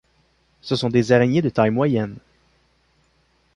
Ce sont des araignées de taille moyenne.